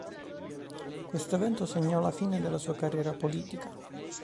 Questo evento segnò la fine della sua carriera politica.